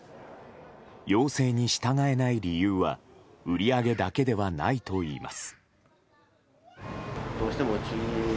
要請に従えない理由は売り上げだけではないといいます。